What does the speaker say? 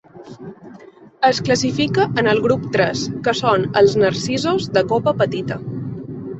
Es classifica en el grup tres, que són els narcisos de copa petita.